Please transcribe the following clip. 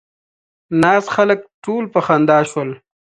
ناست خلک ټول په خندا شول.